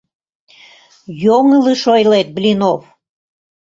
— Йоҥылыш ойлет, Блинов.